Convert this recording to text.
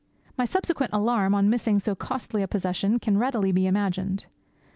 My subsequent alarm, on missing so costly a possession, can be readily imagined.